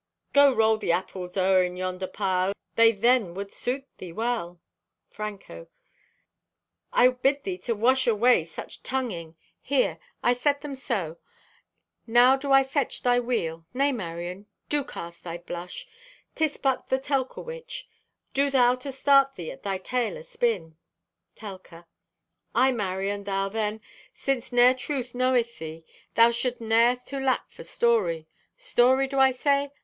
Go, roll the apples o'er in yonder pile. They then would suit thee well!" (Franco) "Telka, I bid thee to wash away such tunging. Here, I set them so. Now do I to fetch thy wheel. Nay, Marion, do cast thy blush. 'Tis but the Telka witch. Do thou to start thee at thy tale aspin." (Telka) "Aye, Marion, thou then, since ne'er truth knoweth thee, thou shouldst ne'er to lack for story. Story do I say?